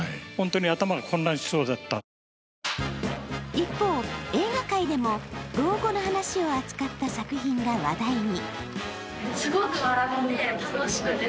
一方、映画界でも老後の話を扱った作品が話題に。